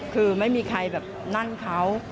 คือไม่มีใครแบบนั่นเขา